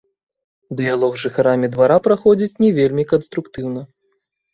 Дыялог з жыхарамі двара праходзіць не вельмі канструктыўна.